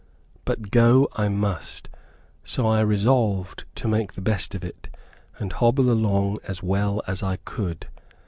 But go I must, so I resolved to make the best of it, and hobble along as well as I could.